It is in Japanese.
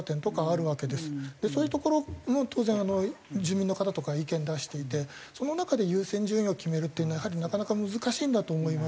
でそういう所も当然住民の方とか意見出していてその中で優先順位を決めるっていうのはやはりなかなか難しいんだと思います。